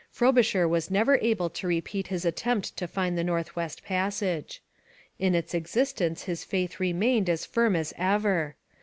Frobisher was never able to repeat his attempt to find the North West Passage. In its existence his faith remained as firm as ever.